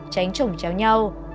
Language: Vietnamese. tránh chổng trao nhau